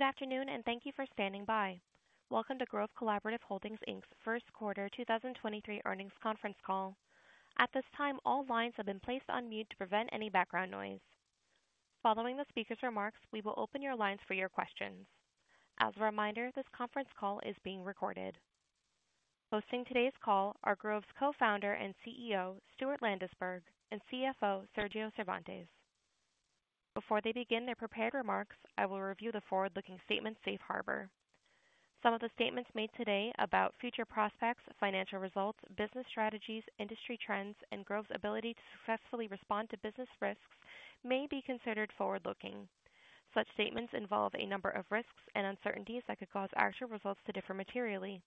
Good afternoon. Thank you for standing by. Welcome to Grove Collaborative Holdings Inc's first quarter 2023 earnings conference call. At this time, all lines have been placed on mute to prevent any background noise. Following the speaker's remarks, we will open your lines for your questions. As a reminder, this conference call is being recorded. Hosting today's call are Grove's Co-founder and CEO, Stuart Landesberg, and CFO, Sergio Cervantes. Before they begin their prepared remarks, I will review the forward-looking statement safe harbor. Some of the statements made today about future prospects, financial results, business strategies, industry trends, and Grove's ability to successfully respond to business risks may be considered forward-looking. Such statements involve a number of risks and uncertainties that could cause actual results to differ materially.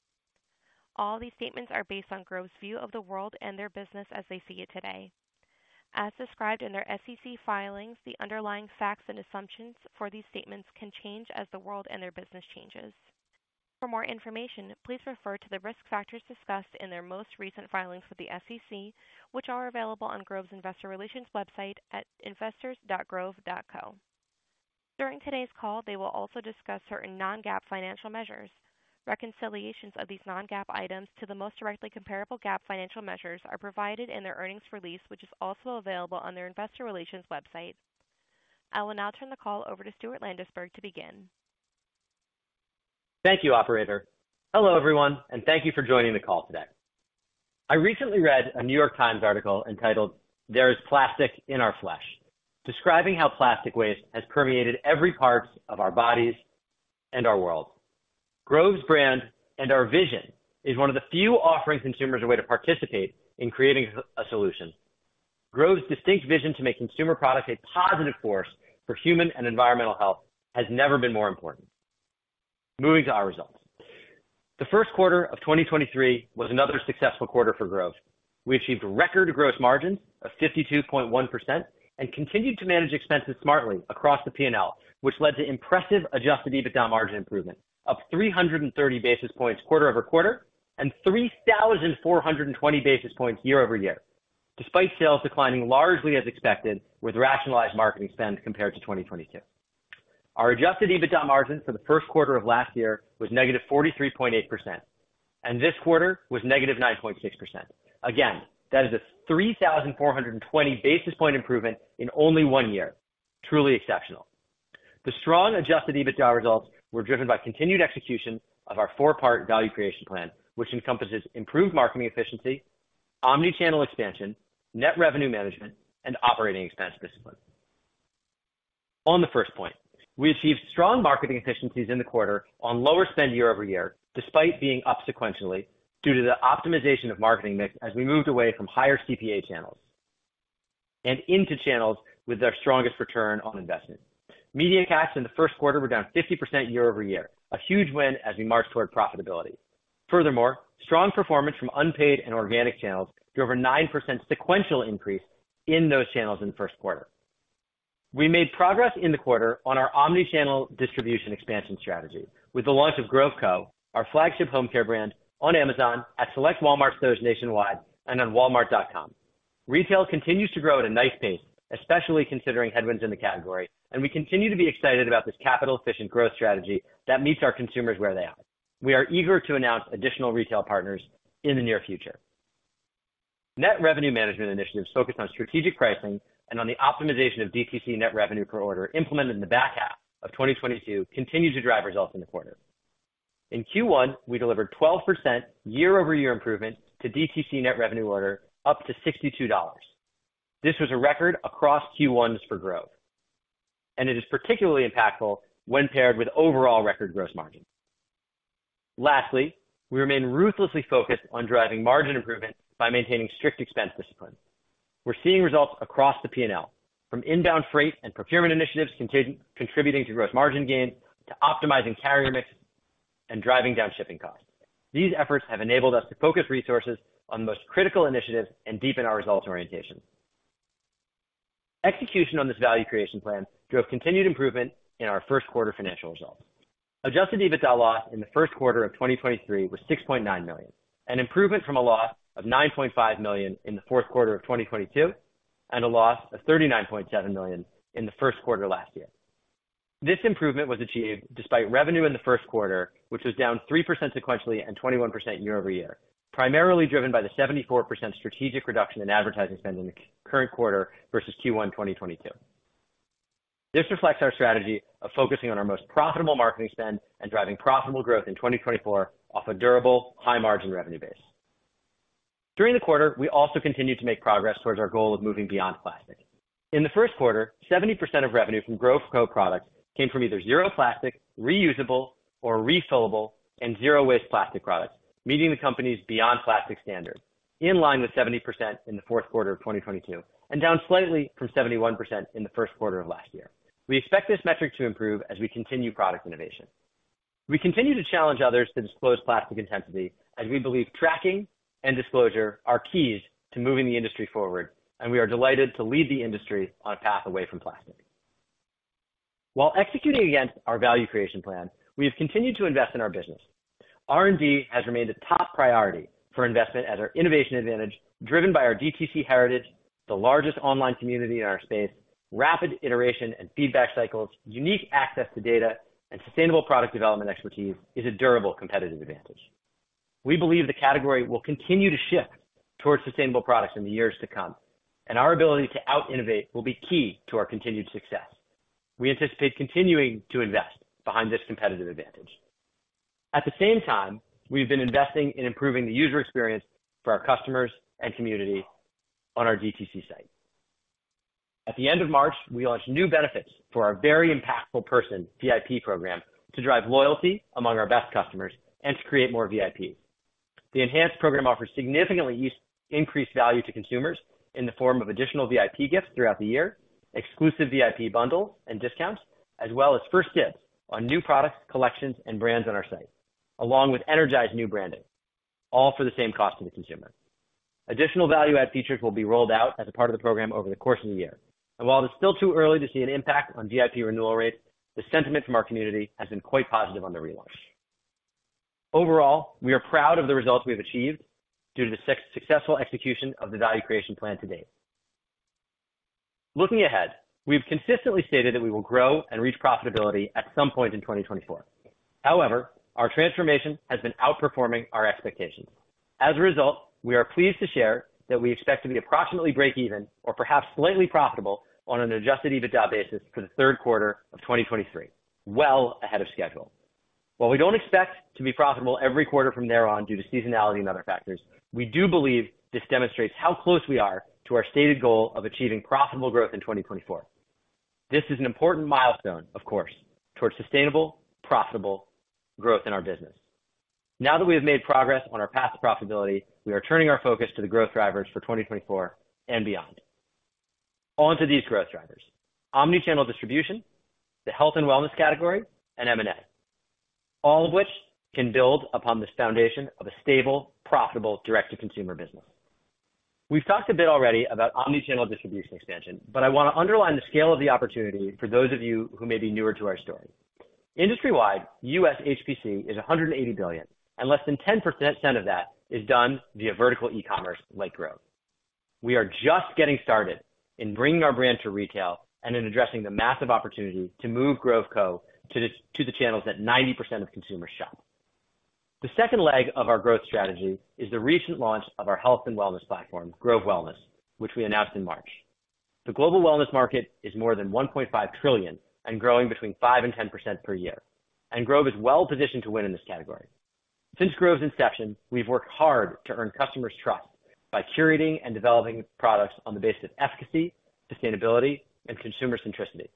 All these statements are based on Grove's view of the world and their business as they see it today. As described in their SEC filings, the underlying facts and assumptions for these statements can change as the world and their business changes. For more information, please refer to the risk factors discussed in their most recent filings with the SEC, which are available on Grove's investor relations website at investors.grove.co. During today's call, they will also discuss certain non-GAAP financial measures. Reconciliations of these non-GAAP items to the most directly comparable GAAP financial measures are provided in their earnings release, which is also available on their investor relations website. I will now turn the call over to Stuart Landesberg to begin. Thank you, operator. Hello, everyone, and thank you for joining the call today. I recently read a New York Times article entitled There Is Plastic in Our Flesh, describing how plastic waste has permeated every part of our bodies and our world. Grove's brand and our vision is one of the few offering consumers a way to participate in creating a solution. Grove's distinct vision to make consumer products a positive force for human and environmental health has never been more important. Moving to our results. The first quarter of 2023 was another successful quarter for Grove. We achieved record gross margins of 52.1% and continued to manage expenses smartly across the P&L, which led to impressive Adjusted EBITDA margin improvement of 330 basis points quarter-over-quarter and 3,420 basis points year-over-year, despite sales declining largely as expected with rationalized marketing spend compared to 2022. Our Adjusted EBITDA margin for the first quarter of last year was negative 43.8%, and this quarter was negative 9.6%. Again, that is a 3,420 basis point improvement in only one year. Truly exceptional. The strong Adjusted EBITDA results were driven by continued execution of our four-part value creation plan, which encompasses improved marketing efficiency, omni-channel expansion, net revenue management, and operating expense discipline. On the first point, we achieved strong marketing efficiencies in the quarter on lower spend year-over-year, despite being up sequentially due to the optimization of marketing mix as we moved away from higher CPA channels and into channels with their strongest return on investment. Media costs in the first quarter were down 50% year-over-year, a huge win as we march toward profitability. Furthermore, strong performance from unpaid and organic channels drove a 9% sequential increase in those channels in the first quarter. We made progress in the quarter on our omni-channel distribution expansion strategy with the launch of Grove Co., our flagship home care brand on Amazon at select Walmart stores nationwide and on walmart.com. Retail continues to grow at a nice pace, especially considering headwinds in the category, and we continue to be excited about this capital-efficient Grove strategy that meets our consumers where they are. We are eager to announce additional retail partners in the near future. Net revenue management initiatives focused on strategic pricing and on the optimization of DTC net revenue per order implemented in the back half of 2022 continue to drive results in the quarter. In Q1, we delivered 12% year-over-year improvement to DTC net revenue order up to $62. This was a record across Q1s for Grove, and it is particularly impactful when paired with overall record gross margin. Lastly, we remain ruthlessly focused on driving margin improvement by maintaining strict expense discipline. We're seeing results across the P&L, from inbound freight and procurement initiatives contributing to gross margin gains to optimizing carrier mix and driving down shipping costs. These efforts have enabled us to focus resources on the most critical initiatives and deepen our results orientation. Execution on this value creation plan drove continued improvement in our first quarter financial results. Adjusted EBITDA loss in the first quarter of 2023 was $6.9 million, an improvement from a loss of $9.5 million in the fourth quarter of 2022 and a loss of $39.7 million in the first quarter last year. This improvement was achieved despite revenue in the first quarter, which was down 3% sequentially and 21% year-over-year, primarily driven by the 74% strategic reduction in advertising spend in the current quarter versus Q1 2022. This reflects our strategy of focusing on our most profitable marketing spend and driving profitable Grove in 2024 off a durable, high-margin revenue base. During the quarter, we also continued to make progress towards our goal of moving beyond plastic. In the first quarter, 70% of revenue from Grove Co. products came from either zero plastic, reusable or refillable and zero-waste plastic products, meeting the company's beyond plastic standard, in line with 70% in the fourth quarter of 2022 and down slightly from 71% in the first quarter of last year. We expect this metric to improve as we continue product innovation. We continue to challenge others to disclose plastic intensity as we believe tracking and disclosure are keys to moving the industry forward, we are delighted to lead the industry on a path away from plastic. While executing against our value creation plan, we have continued to invest in our business. R&D has remained a top priority for investment as our innovation advantage, driven by our DTC heritage, the largest online community in our space, rapid iteration and feedback cycles, unique access to data, and sustainable product development expertise is a durable competitive advantage. We believe the category will continue to shift towards sustainable products in the years to come, and our ability to out-innovate will be key to our continued success. We anticipate continuing to invest behind this competitive advantage. At the same time, we've been investing in improving the user experience for our customers and community on our DTC site. At the end of March, we launched new benefits for our Very Impactful Person, VIP program, to drive loyalty among our best customers and to create more VIPs. The enhanced program offers significantly increased value to consumers in the form of additional VIP gifts throughout the year, exclusive VIP bundle and discounts, as well as first dibs on new products, collections, and brands on our site, along with energized new branding, all for the same cost to the consumer. Additional value-add features will be rolled out as a part of the program over the course of the year. While it's still too early to see an impact on VIP renewal rates, the sentiment from our community has been quite positive on the relaunch. Overall, we are proud of the results we have achieved due to the successful execution of the value creation plan to date. Looking ahead, we've consistently stated that we will grow and reach profitability at some point in 2024. However, our transformation has been outperforming our expectations. As a result, we are pleased to share that we expect to be approximately break even or perhaps slightly profitable on an Adjusted EBITDA basis for the 3rd quarter of 2023, well ahead of schedule. While we don't expect to be profitable every quarter from there on due to seasonality and other factors, we do believe this demonstrates how close we are to our stated goal of achieving profitable Grove in 2024. This is an important milestone, of course, towards sustainable, profitable growth in our business. Now that we have made progress on our path to profitability, we are turning our focus to the growth drivers for 2024 and beyond. On to these growth drivers. Omnichannel distribution, the health and wellness category, and M&A, all of which can build upon this foundation of a stable, profitable direct-to-consumer business. We've talked a bit already about omnichannel distribution expansion, but I wanna underline the scale of the opportunity for those of you who may be newer to our story. Industry-wide, U.S. HPC is $180 billion, and less than 10% of that is done via vertical e-commerce like Grove. We are just getting started in bringing our brand to retail and in addressing the massive opportunity to move Grove Co. to the channels that 90% of consumers shop. The second leg of our growth strategy is the recent launch of our health and wellness platform, Grove Wellness, which we announced in March. The global wellness market is more than $1.5 trillion and growing between 5% and 10% per year, and Grove is well-positioned to win in this category. Since Grove's inception, we've worked hard to earn customers' trust by curating and developing products on the basis of efficacy, sustainability, and consumer centricity.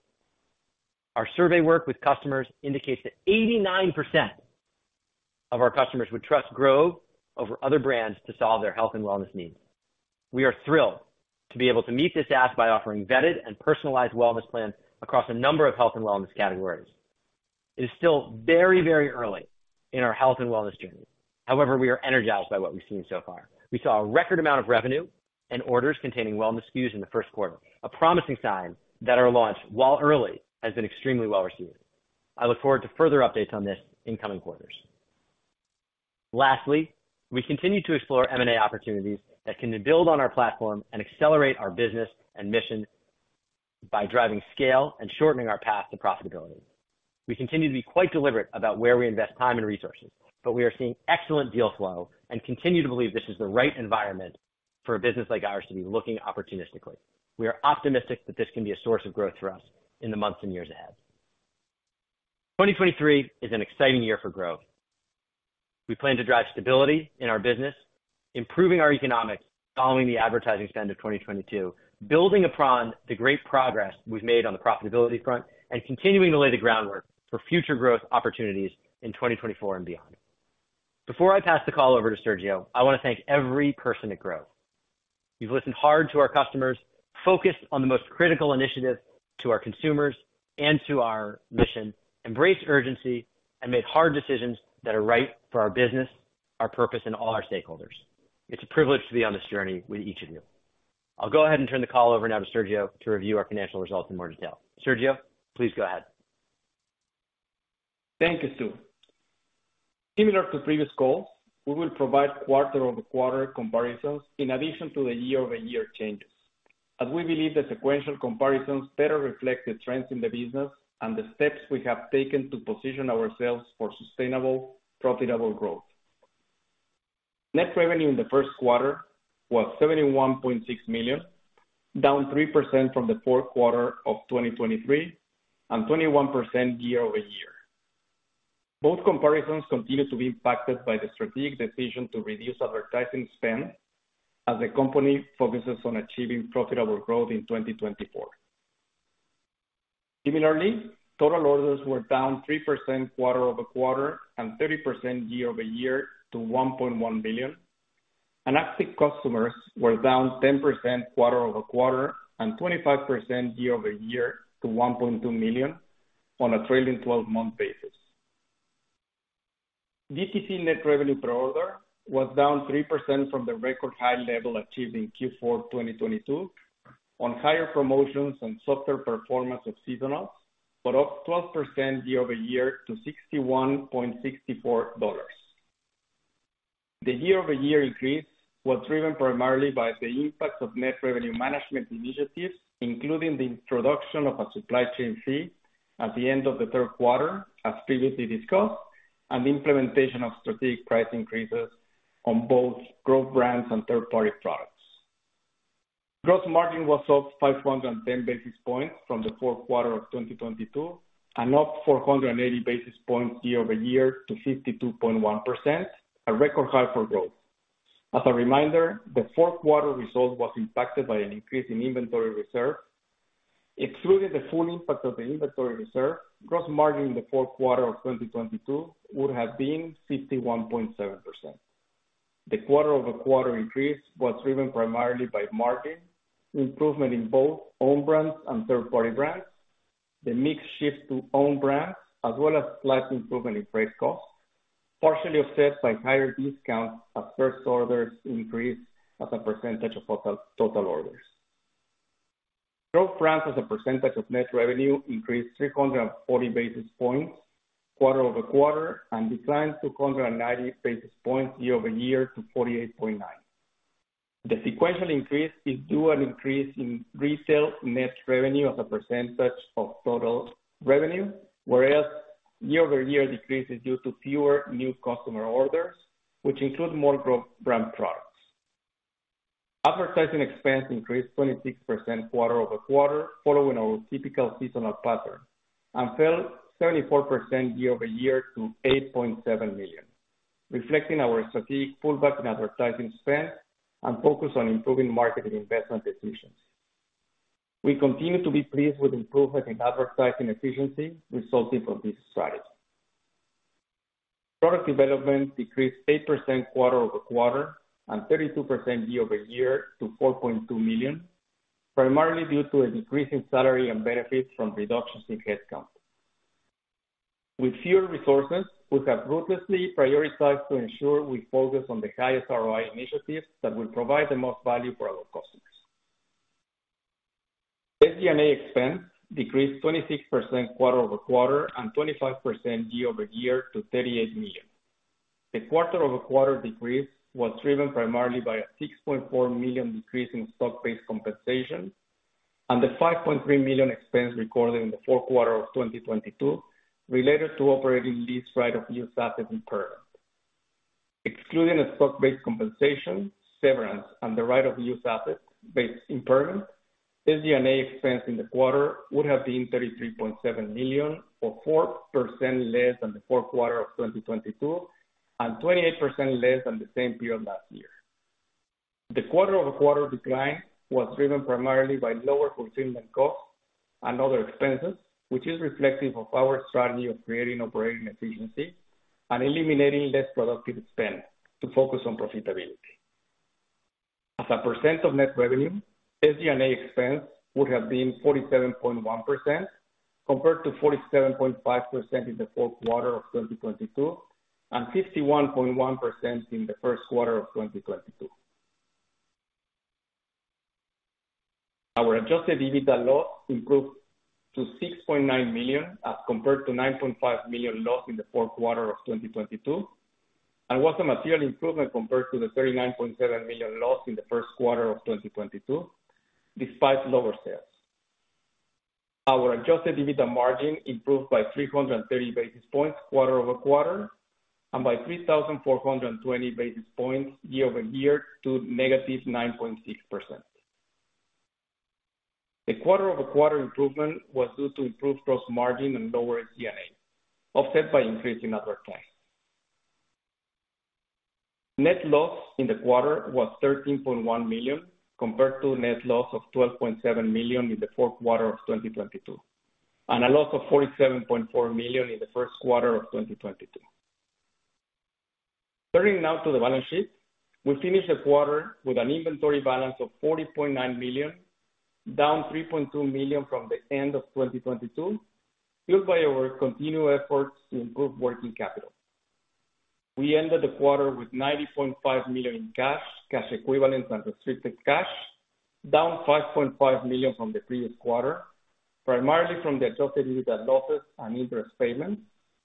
Our survey work with customers indicates that 89% of our customers would trust Grove over other brands to solve their health and wellness needs. We are thrilled to be able to meet this ask by offering vetted and personalized wellness plans across a number of health and wellness categories. It is still very, very early in our health and wellness journey. We are energized by what we've seen so far. We saw a record amount of revenue and orders containing wellness SKUs in the first quarter, a promising sign that our launch, while early, has been extremely well-received. I look forward to further updates on this in coming quarters. Lastly, we continue to explore M&A opportunities that can build on our platform and accelerate our business and mission by driving scale and shortening our path to profitability. We continue to be quite deliberate about where we invest time and resources, but we are seeing excellent deal flow and continue to believe this is the right environment for a business like ours to be looking opportunistically. We are optimistic that this can be a source of growth for us in the months and years ahead. 2023 is an exciting year for growth. We plan to drive stability in our business, improving our economics following the advertising spend of 2022, building upon the great progress we've made on the profitability front, and continuing to lay the groundwork for future growth opportunities in 2024 and beyond. Before I pass the call over to Sergio, I wanna thank every person at Grove. We've listened hard to our customers, focused on the most critical initiative to our consumers and to our mission, embraced urgency, and made hard decisions that are right for our business, our purpose, and all our stakeholders. It's a privilege to be on this journey with each of you. I'll go ahead and turn the call over now to Sergio to review our financial results in more detail. Sergio, please go ahead. Thank you, Stuart. Similar to previous calls, we will provide quarter-over-quarter comparisons in addition to the year-over-year changes, as we believe the sequential comparisons better reflect the trends in the business and the steps we have taken to position ourselves for sustainable, profitable growth. Net revenue in the first quarter was $71.6 million, down 3% from the fourth quarter of 2023 and 21% year-over-year. Both comparisons continue to be impacted by the strategic decision to reduce advertising spend as the company focuses on achieving profitable growth in 2024. Total orders were down 3% quarter-over-quarter and 30% year-over-year to 1.1 billion. Active customers were down 10% quarter-over-quarter and 25% year-over-year to 1.2 million on a trailing 12 month basis. DTC net revenue per order was down 3% from the record high level achieved in Q4 2022. On higher promotions and softer performance of seasonals, but up 12% year-over-year to $61.64. The year-over-year increase was driven primarily by the impact of net revenue management initiatives, including the introduction of a supply chain fee at the end of the third quarter, as previously discussed, and implementation of strategic price increases on both Grove brands and third-party products. Gross margin was up 510 basis points from the fourth quarter of 2022 and up 480 basis points year-over-year to 62.1%, a record high for growth. As a reminder, the fourth quarter result was impacted by an increase in inventory reserve. Excluding the full impact of the inventory reserve, gross margin in the fourth quarter of 2022 would have been 61.7%. The quarter-over-quarter increase was driven primarily by margin improvement in both own brands and third-party brands. The mix shift to own brands as well as slight improvement in freight costs, partially offset by higher discounts as first orders increased as a percentage of total orders. Growth brands as a percentage of net revenue increased 340 basis points quarter-over-quarter and declined 290 basis points year-over-year to 48.9%. The sequential increase is due an increase in resale net revenue as a percentage of total revenue, whereas year-over-year decrease is due to fewer new customer orders, which include more Grove brand products. Advertising expense increased 26% quarter-over-quarter, following our typical seasonal pattern, and fell 74% year-over-year to $8.7 million, reflecting our strategic pullback in advertising spend and focus on improving marketing investment decisions. We continue to be pleased with improvement in advertising efficiency resulting from this strategy. Product development decreased 8% quarter-over-quarter and 32% year-over-year to $4.2 million, primarily due to a decrease in salary and benefits from reductions in headcount. With fewer resources, we have ruthlessly prioritized to ensure we focus on the highest ROI initiatives that will provide the most value for our customers. SG&A expense decreased 26% quarter-over-quarter and 25% year-over-year to $38 million. The quarter-over-quarter decrease was driven primarily by a $6.4 million decrease in stock-based compensation and the $5.3 million expense recorded in the fourth quarter of 2022 related to operating lease right of use assets impairment. Excluding a stock-based compensation, severance and the right of use asset-based impairment, SG&A expense in the quarter would have been $33.7 million, or 4% less than the fourth quarter of 2022, and 28% less than the same period last year. The quarter-over-quarter decline was driven primarily by lower fulfillment costs and other expenses, which is reflective of our strategy of creating operating efficiency and eliminating less productive spend to focus on profitability. As a percent of net revenue, SG&A expense would have been 47.1% compared to 47.5% in the fourth quarter of 2022 and 51.1% in the first quarter of 2022. Our Adjusted EBITDA loss improved to $6.9 million as compared to $9.5 million loss in the fourth quarter of 2022. Was a material improvement compared to the $39.7 million loss in the first quarter of 2022, despite lower sales. Our Adjusted EBITDA margin improved by 330 basis points quarter-over-quarter and by 3,420 basis points year-over-year to negative 9.6%. The quarter-over-quarter improvement was due to improved gross margin and lower SG&A, offset by increase in advertising. Net loss in the quarter was $13.1 million, compared to a net loss of $12.7 million in the fourth quarter of 2022, and a loss of $47.4 million in the first quarter of 2022. Turning now to the balance sheet. We finished the quarter with an inventory balance of $40.9 million, down $3.2 million from the end of 2022, fueled by our continued efforts to improve working capital. We ended the quarter with $90.5 million in cash equivalents and restricted cash, down $5.5 million from the previous quarter, primarily from the Adjusted EBITDA losses and interest payments,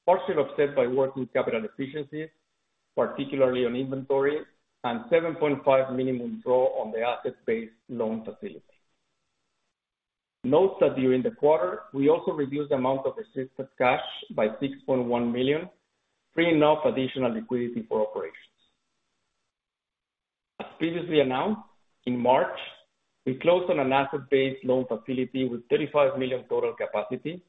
partially offset by working capital efficiencies, particularly on inventory, and 7.5 minimum draw on the asset-based loan facility. Note that during the quarter, we also reduced the amount of restricted cash by $6.1 million, freeing up additional liquidity for operations. As previously announced, in March, we closed on an asset-based loan facility with $35 million total capacity,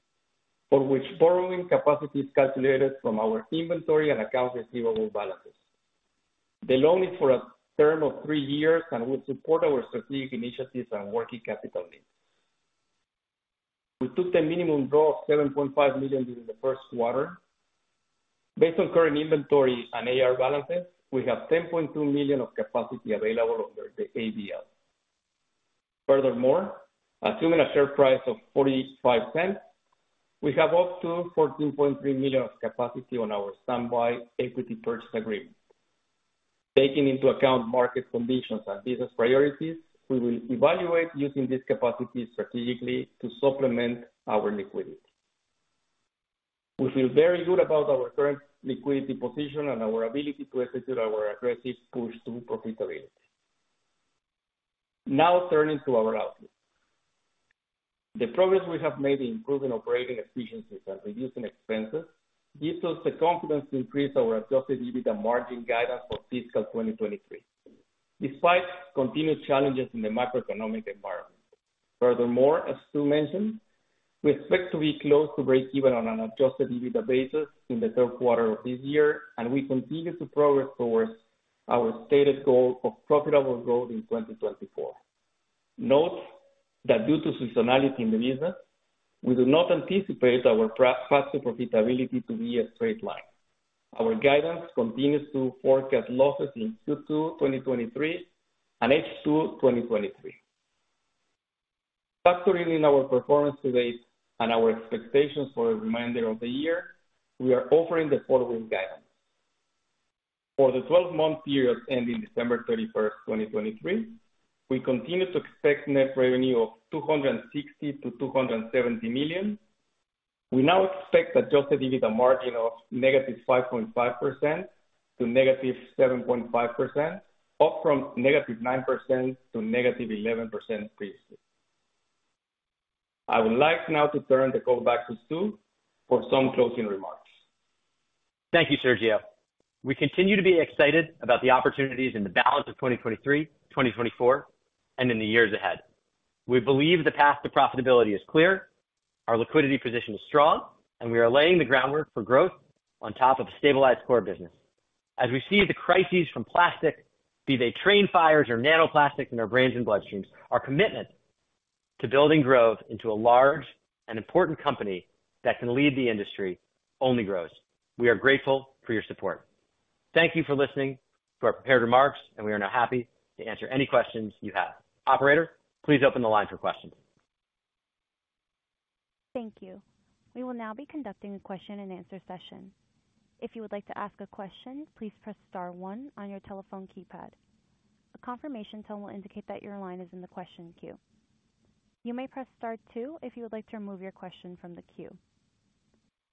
for which borrowing capacity is calculated from our inventory and accounts receivable balances. The loan is for a term of three years and will support our strategic initiatives and working capital needs. We took the minimum draw of $7.5 million during the first quarter. Based on current inventory and AR balances, we have $10.2 million of capacity available under the ABL. Furthermore, assuming a share price of $0.45, we have up to $14.3 million of capacity on our standby equity purchase agreement. Taking into account market conditions and business priorities, we will evaluate using this capacity strategically to supplement our liquidity. We feel very good about our current liquidity position and our ability to execute our aggressive push through profitability. Turning to our outlook. The progress we have made in improving operating efficiencies and reducing expenses gives us the confidence to increase our Adjusted EBITDA margin guidance for fiscal 2023, despite continued challenges in the macroeconomic environment. As Stuart mentioned, we expect to be close to breakeven on an Adjusted EBITDA basis in the third quarter of this year, and we continue to progress towards our stated goal of profitable growth in 2024. Note that due to seasonality in the business, we do not anticipate our path to profitability to be a straight line. Our guidance continues to forecast losses in Q2 2023 and H2 2023. Factoring in our performance to date and our expectations for the remainder of the year, we are offering the following guidance. For the 12-month period ending December 31st, 2023, we continue to expect net revenue of $260 million-$270 million. We now expect Adjusted EBITDA margin of -5.5% to -7.5%, up from -9% to -11% previously. I would like now to turn the call back to Stuart for some closing remarks. Thank you, Sergio. We continue to be excited about the opportunities in the balance of 2023, 2024, and in the years ahead. We believe the path to profitability is clear. Our liquidity position is strong, and we are laying the groundwork for growth on top of a stabilized core business. As we see the crises from plastic, be they train fires or nanoplastics in our brains and bloodstreams, our commitment to building growth into a large and important company that can lead the industry only grows. We are grateful for your support. Thank you for listening to our prepared remarks, and we are now happy to answer any questions you have. Operator, please open the line for questions. Thank you. We will now be conducting a question-and-answer session. If you would like to ask a question, please press star one on your telephone keypad. A confirmation tone will indicate that your line is in the question queue. You may press star two if you would like to remove your question from the queue.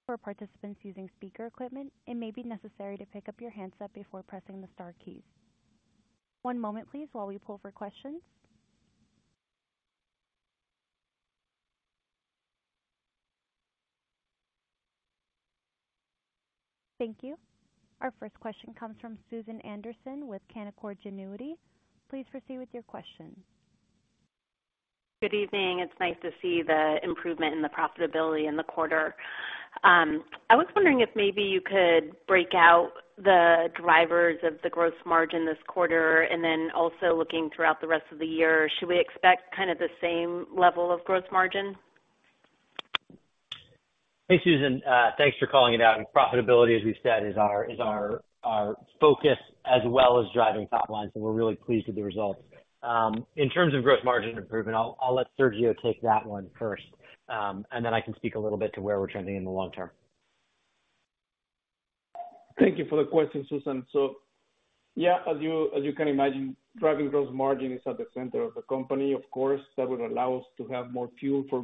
For participants using speaker equipment, it may be necessary to pick up your handset before pressing the star keys. One moment please while we pull for questions. Thank you. Our first question comes from Susan Anderson with Canaccord Genuity. Please proceed with your question. Good evening. It's nice to see the improvement in the profitability in the quarter. I was wondering if maybe you could break out the drivers of the gross margin this quarter? Also looking throughout the rest of the year, should we expect kind of the same level of gross margin? Hey, Susan, thanks for calling it out. Profitability, as we've said, is our focus as well as driving top line. We're really pleased with the results. In terms of gross margin improvement, I'll let Sergio take that one first. I can speak a little bit to where we're trending in the long term. Thank you for the question, Susan. Yeah, as you can imagine, driving gross margin is at the center of the company. Of course, that would allow us to have more fuel for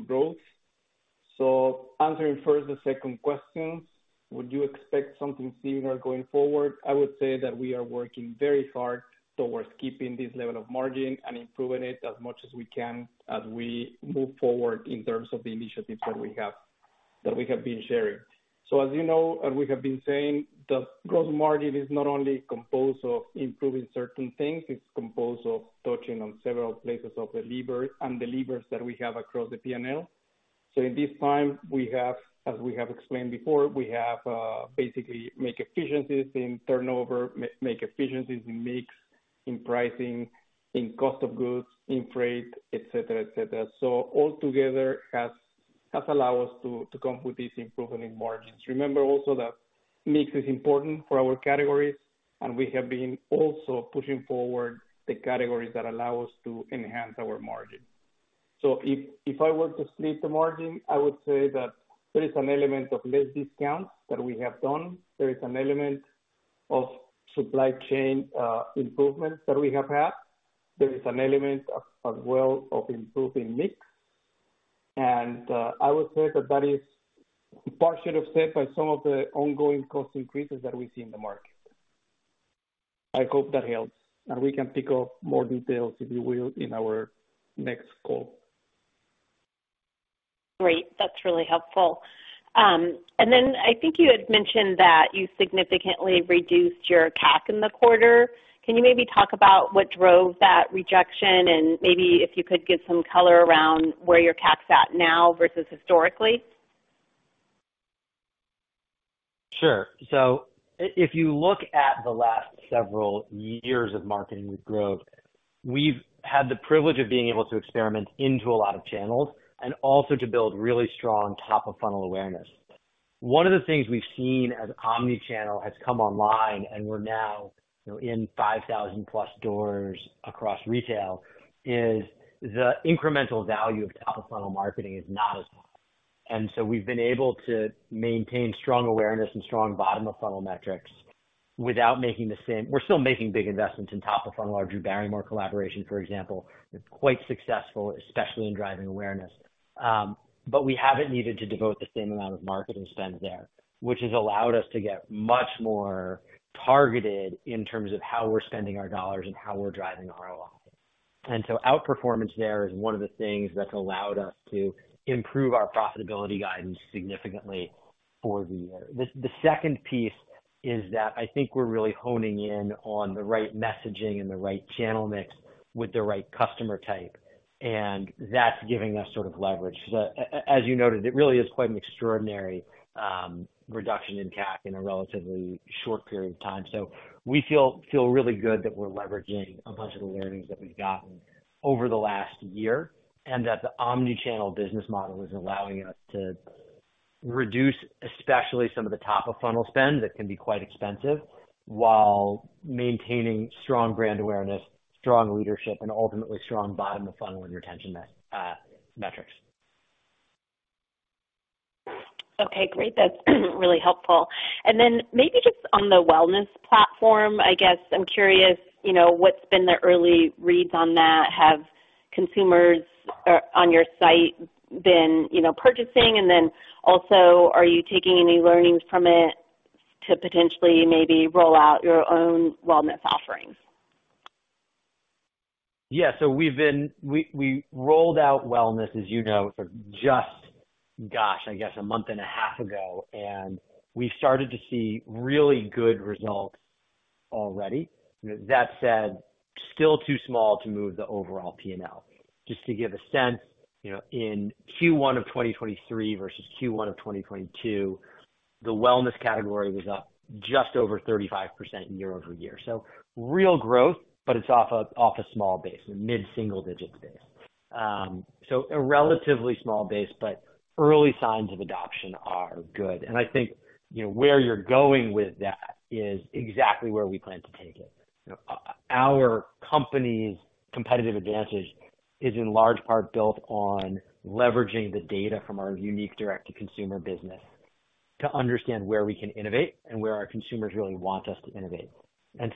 Grove. Answering first the second question, would you expect something similar going forward? I would say that we are working very hard towards keeping this level of margin and improving it as much as we can as we move forward in terms of the initiatives that we have been sharing. As you know, and we have been saying, the gross margin is not only composed of improving certain things, it's composed of touching on several places of the levers that we have across the P&L. In this time we have as we have explained before, we have basically make efficiencies in turnover, make efficiencies in mix, in pricing, in cost of goods, in freight, et cetera, et cetera. All together has allowed us to come with these improvement in margins. Remember also that mix is important for our categories and we have been also pushing forward the categories that allow us to enhance our margin. If I were to split the margin, I would say that there is an element of less discounts that we have done. There is an element of supply chain improvements that we have had. There is an element as well of improving mix. I would say that that is partially offset by some of the ongoing cost increases that we see in the market. I hope that helps. We can pick up more details, if you will, in our next call. Great. That's really helpful. I think you had mentioned that you significantly reduced your CAC in the quarter. Can you maybe talk about what drove that reduction and maybe if you could give some color around where your CAC's at now versus historically? Sure. If you look at the last several years of marketing with Grove, we've had the privilege of being able to experiment into a lot of channels and also to build really strong top-of-funnel awareness. One of the things we've seen as omni-channel has come online, and we're now, you know, in 5,000 plus doors across retail, is the incremental value of top-of-funnel marketing is not as high. We've been able to maintain strong awareness and strong bottom of funnel metrics without making big investments in top of funnel. Our Drew Barrymore collaboration, for example, is quite successful, especially in driving awareness. We haven't needed to devote the same amount of marketing spend there, which has allowed us to get much more targeted in terms of how we're spending our dollars and how we're driving ROAS. Outperformance there is one of the things that's allowed us to improve our profitability guidance significantly for the year. The second piece is that I think we're really honing in on the right messaging and the right channel mix with the right customer type, and that's giving us sort of leverage. As you noted, it really is quite an extraordinary reduction in CAC in a relatively short period of time. We feel really good that we're leveraging a bunch of the learnings that we've gotten over the last year, and that the omni-channel business model is allowing us to reduce, especially some of the top of funnel spend that can be quite expensive, while maintaining strong brand awareness, strong leadership, and ultimately strong bottom of funnel and retention metrics. Okay, great. That's really helpful. Maybe just on the wellness platform, I guess I'm curious, you know, what's been the early reads on that? Have consumers on your site been, you know, purchasing? Also, are you taking any learnings from it to potentially maybe roll out your own wellness offerings? Yeah. We rolled out Wellness, as you know, sort of just, gosh, I guess a month and a half ago. We started to see really good results already. That said, still too small to move the overall P&L. Just to give a sense, you know, in Q1 of 2023 versus Q1 of 2022, the Wellness category was up just over 35% year-over-year. Real growth, but it's off a small base, a mid-single digit base. A relatively small base, but early signs of adoption are good. I think, you know, where you're going with that is exactly where we plan to take it. You know, our company's competitive advantage is in large part built on leveraging the data from our unique direct to consumer business to understand where we can innovate and where our consumers really want us to innovate. That's,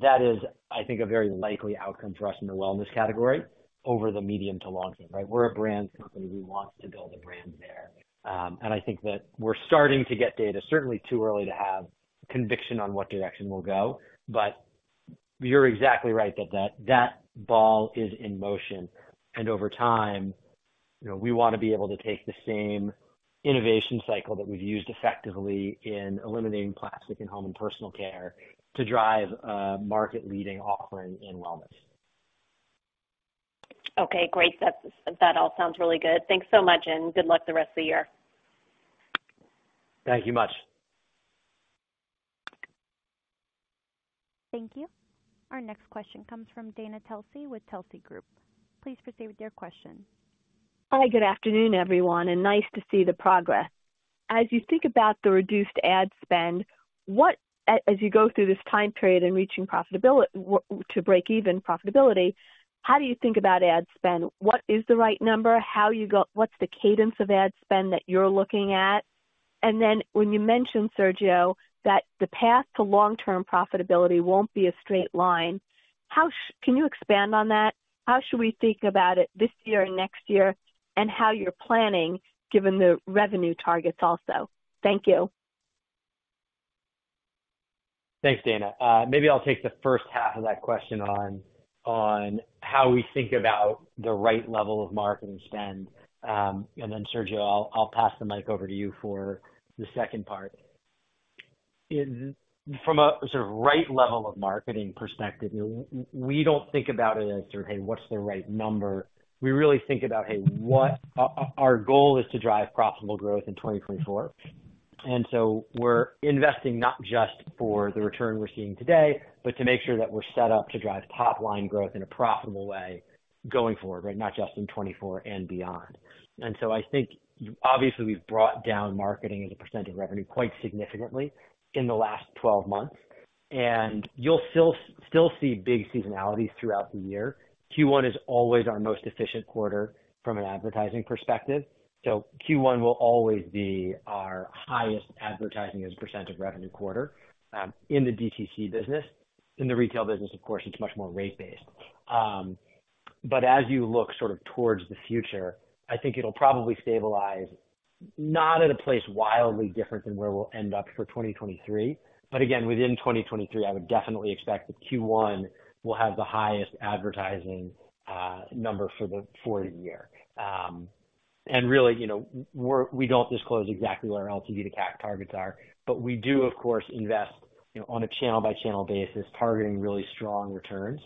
that is, I think, a very likely outcome for us in the wellness category over the medium to long term, right? We're a brand company. We want to build a brand there. I think that we're starting to get data certainly too early to have conviction on what direction we'll go. You're exactly right that that ball is in motion. Over time, you know, we wanna be able to take the same innovation cycle that we've used effectively in eliminating plastic in home and personal care to drive a market-leading offering in wellness. Okay, great. That all sounds really good. Thanks so much. Good luck the rest of the year. Thank you much. Thank you. Our next question comes from Dana Telsey with Telsey Group. Please proceed with your question. Hi, good afternoon, everyone. Nice to see the progress. As you think about the reduced ad spend, as you go through this time period and reaching profitability to break even profitability, how do you think about ad spend? What is the right number? What's the cadence of ad spend that you're looking at? When you mentioned, Sergio, that the path to long-term profitability won't be a straight line, can you expand on that? How should we think about it this year and next year, and how you're planning given the revenue targets also? Thank you. Thanks, Dana. Maybe I'll take the first half of that question on how we think about the right level of marketing spend, then Sergio, I'll pass the mic over to you for the second part. From a sort of right level of marketing perspective, we don't think about it as sort of, "Hey, what's the right number?" We really think about, "Hey, what." Our goal is to drive profitable growth in 2024, we're investing not just for the return we're seeing today, but to make sure that we're set up to drive top line Grove in a profitable way going forward, right? Not just in 2024 and beyond. I think obviously we've brought down marketing as a % of revenue quite significantly in the last 12 months, you'll still see big seasonalities throughout the year. Q1 is always our most efficient quarter from an advertising perspective. Q1 will always be our highest advertising as a % of revenue quarter in the DTC business. In the retail business, of course, it's much more rate-based. As you look sort of towards the future, I think it'll probably stabilize not at a place wildly different than where we'll end up for 2023. Again, within 2023, I would definitely expect that Q1 will have the highest advertising number for the year. Really, you know, we're, we don't disclose exactly what our LTV to CAC targets are, we do of course invest, you know, on a channel by channel basis, targeting really strong returns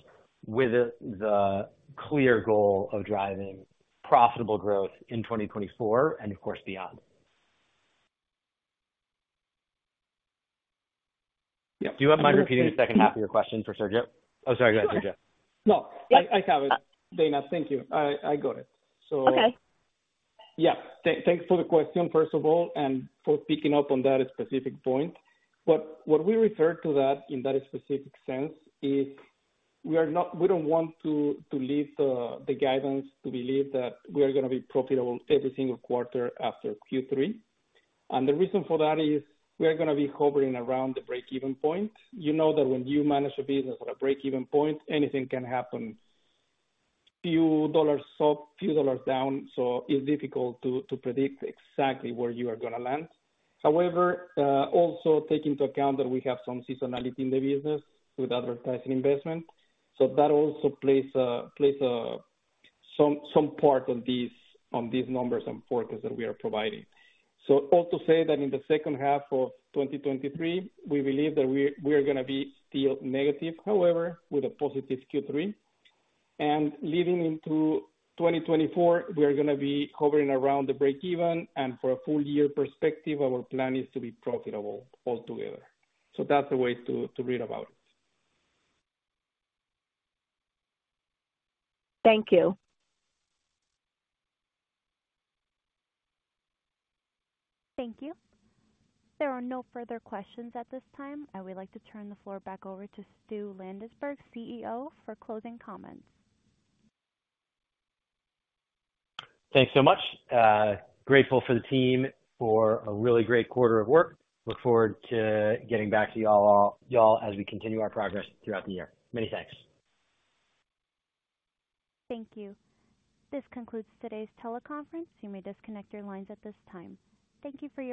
with the clear goal of driving profitable growth in 2024 and of course beyond. Yeah. Do you mind repeating the second half of your question for Sergio? Oh, sorry. Go ahead, Sergio. No. Yeah. I have it, Dana. Thank you. I got it. Okay. Thanks for the question, first of all, and for picking up on that specific point. What we refer to that in that specific sense is we don't want to leave the guidance to believe that we are gonna be profitable every single quarter after Q3. The reason for that is we are gonna be hovering around the break-even point. You know that when you manage a business on a break-even point, anything can happen. Few dollars up, few dollars down, it's difficult to predict exactly where you are gonna land. However, also take into account that we have some seasonality in the business with advertising investment. That also plays some part on these numbers and forecasts that we are providing. All to say that in the second half of 2023, we believe that we are gonna be still negative, however, with a positive Q3. Leading into 2024, we are gonna be hovering around the break even and for a full year perspective, our plan is to be profitable altogether. That's the way to read about it. Thank you. Thank you. There are no further questions at this time. I would like to turn the floor back over to Stuart Landesberg, CEO, for closing comments. Thanks so much. Grateful for the team for a really great quarter of work. Look forward to getting back to y'all as we continue our progress throughout the year. Many thanks. Thank you. This concludes today's teleconference. You may disconnect your lines at this time. Thank you for your participation.